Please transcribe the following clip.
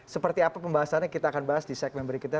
seperti apa pembahasannya kita akan bahas di segmen berikutnya